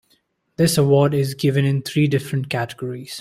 This award is given in three different categories.